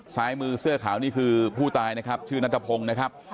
ซ้ายมือเสื้อขาวนี่คือผู้ตายนะครับชื่อนัทพงศ์นะครับ